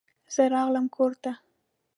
زه راغلم کور ته.